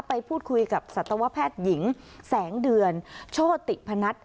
ไปพูดคุยกับสัตวแพทย์หญิงแสงเดือนโชติพนัท